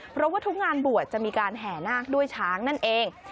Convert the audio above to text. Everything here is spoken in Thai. เพราะว่าทุกงานบวชจะมีการแห่นาคด้วยช้างนั่นเอง